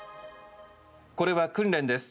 これは訓練です。